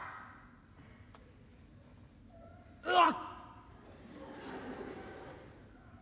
「うわっ！」。